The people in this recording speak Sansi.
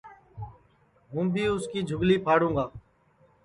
ہوں بھی اُس کی جُھگلی پھاڑوں گا